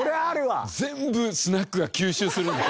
全部スナックが吸収するんだ。